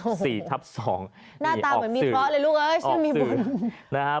หน้าตาเหมือนมีเทาะเลยลูกชื่อมีบุญ